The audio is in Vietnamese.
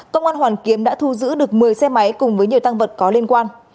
công an hoàn kiếm đã thu giữ được một mươi xe máy cùng với nhiều tăng vật có liên quan